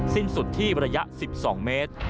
สิ้นสุดที่ระยะ๑๒เมตร